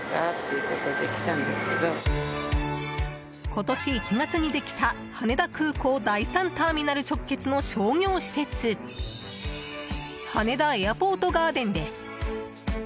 今年１月にできた羽田空港第３ターミナル直結の商業施設羽田エアポートガーデンです。